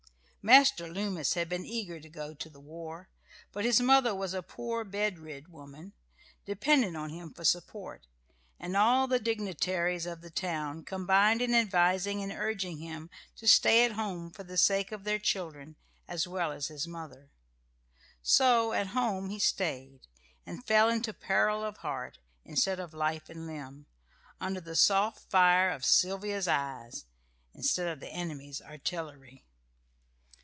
Master Loomis had been eager to go to the war; but his mother was a poor bedrid woman, dependent on him for support, and all the dignitaries of the town combined in advising and urging him to stay at home for the sake of their children, as well as his mother. So at home he stayed, and fell into peril of heart, instead of life and limb, under the soft fire of Sylvia's eyes, instead of the enemy's artillery.